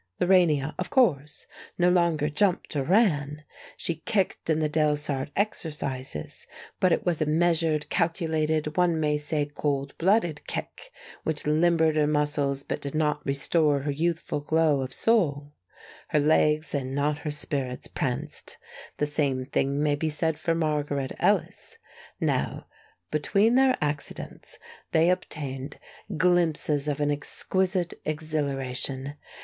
Lorania, of course, no longer jumped or ran; she kicked in the Delsarte exercises, but it was a measured, calculated, one may say cold blooded kick, which limbered her muscles but did not restore her youthful glow of soul. Her legs and not her spirits pranced. The same thing may be said for Margaret Ellis. Now, between their accidents, they obtained glimpses of an exquisite exhilaration.